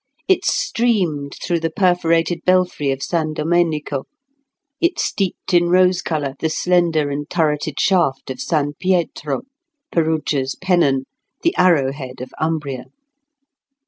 It streamed through the perforated belfry of San Domenico; it steeped in rose colour the slender and turreted shaft of San Pietro, "Perugia's Pennon," the Arrowhead of Umbria.